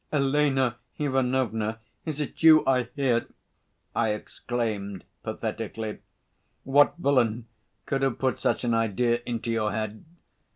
"Elena Ivanovna! is it you I hear!" I exclaimed pathetically. "What villain could have put such an idea into your head?